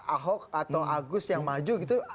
ahok atau agus yang maju gitu